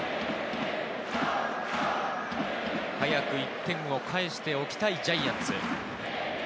早く１点を返しておきたいジャイアンツ。